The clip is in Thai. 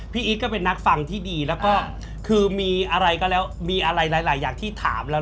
อีทก็เป็นนักฟังที่ดีแล้วก็คือมีอะไรก็แล้วมีอะไรหลายอย่างที่ถามเรา